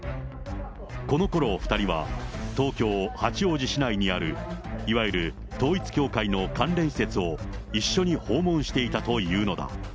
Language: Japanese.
このころ２人は、東京・八王子市内にある、いわゆる統一教会の関連施設を一緒に訪問していたというのだ。